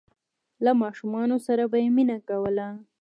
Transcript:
له ماشومانو سره به یې مینه کوله.